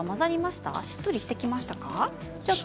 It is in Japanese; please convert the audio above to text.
しっとりしてきましたか？